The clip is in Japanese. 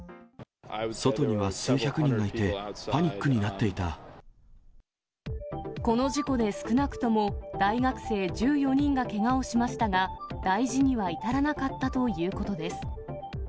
外には数百人がいて、パニッこの事故で、少なくとも大学生１４人がけがをしましたが、大事には至らなかったということです。